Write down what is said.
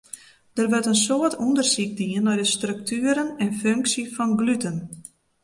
Der wurdt in soad ûndersyk dien nei de struktueren en funksje fan gluten.